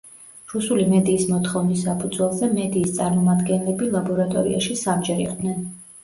რუსული მედიის მოთხოვნის საფუძველზე, მედიის წარმომადგენლები ლაბორატორიაში სამჯერ იყვნენ.